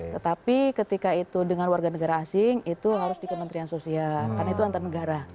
tetapi ketika itu dengan warga negara asing itu harus di kementerian sosial karena itu antar negara